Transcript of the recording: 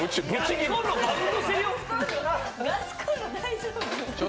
ガスコンロ、大丈夫？